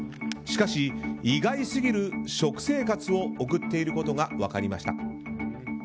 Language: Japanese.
しかし、意外すぎる食生活を送っていることが分かりました。